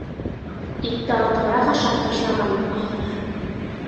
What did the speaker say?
— Итте артығыраҡ ашап ташлағанмын, ахырыһы.